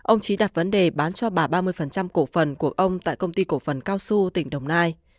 ông trí đặt vấn đề bán cho bà ba mươi cổ phần của ông tại công ty cổ phần cao xu tỉnh đồng nai